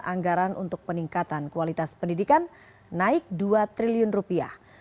anggaran untuk peningkatan kualitas pendidikan naik dua triliun rupiah